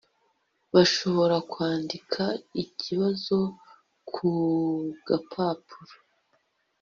bashobora kwandika ikibazo ku gapapuro